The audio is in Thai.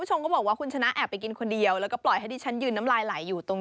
ต้องคิดอีกมุมนึง